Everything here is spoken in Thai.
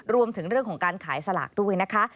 รวมถึงเรื่องของการขายสลากด้วยนะคะ